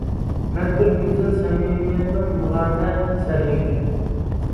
مەن بىر گۈزەل سەمىمىيەتنىڭ نۇرانە سەھىرى.